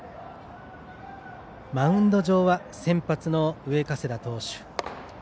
マウンド上は先発の上加世田投手。